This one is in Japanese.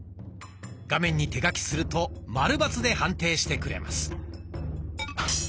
画面に手書きするとマルバツで判定してくれます。